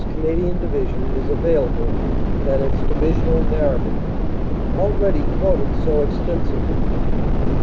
Canadian Division is available than its divisional narrative, already quoted so extensively.